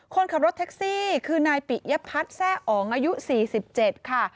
คนขับรถแท็กซี่คือนายปิยพัฒน์แซ่อ๋องอายุ๔๗ค่ะ